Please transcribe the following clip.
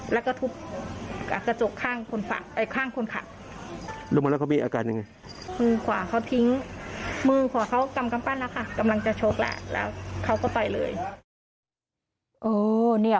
แล้วก็ทุบกระจกข้างคนขับลงมาแล้วก็มีอาการยังไงมือขวาเขาทิ้งมือขวาเขากำกัมปั้นนะคะกำลังจะโชคแล้วแล้วเขาก็ตายเลย